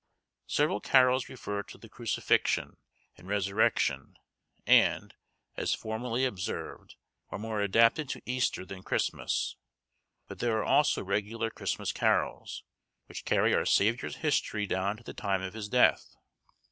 Several carols refer to the crucifixion and resurrection, and, as formerly observed, are more adapted to Easter than Christmas; but there are also regular Christmas carols, which carry our Saviour's history down to the time of his death.